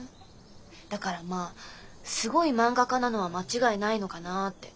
だからまあすごい漫画家なのは間違いないのかなーって。